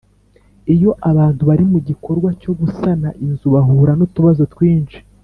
iyo abantu bari mu gikorwa cyo gusana inzu bahura n’utubazo twinshi.